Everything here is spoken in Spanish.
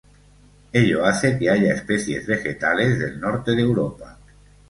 Ello hace que haya especies vegetales del Norte de Europa.